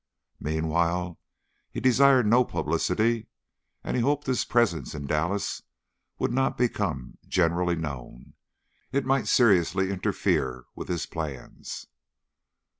Meanwhile, he desired no publicity, and he hoped his presence in Dallas would not become generally known it might seriously interfere with his plans.